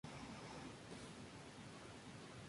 La piel es suave y densa.